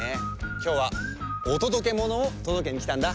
きょうはおとどけものをとどけにきたんだ。